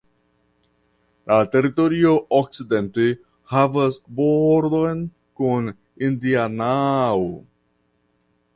La teritorio okcidente havas bordon kun Indianao.